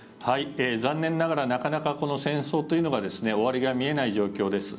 残念ながらなかなかこの戦争というのが終わりが見えない状況です。